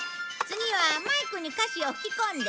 次はマイクに歌詞を吹き込んで。